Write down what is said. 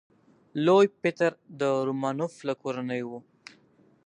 لوی پطر د رومانوف له کورنۍ و.